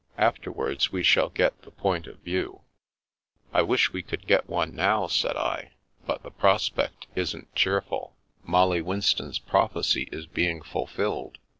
After wards we shall get the point of view." " I wish we could get one now," said I. " But the prospect isn't cheerful. Molly Winston's proph ecy is being fulfilled.